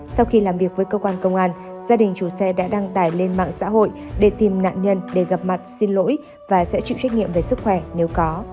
sau khi làm việc với cơ quan công an gia đình chủ xe đã đăng tải lên mạng xã hội để tìm nạn nhân để gặp mặt xin lỗi và sẽ chịu trách nhiệm về sức khỏe nếu có